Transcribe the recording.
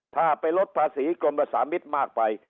ถ้าไปลดภาษีกรมภาษามิตรมากไป